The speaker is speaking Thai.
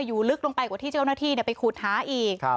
ลึกลงไปกว่าที่เจ้าหน้าที่ไปขุดหาอีก